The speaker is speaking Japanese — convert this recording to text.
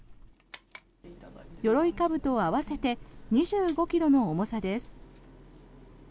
よろいかぶと合わせて２５ｋｇの重さです。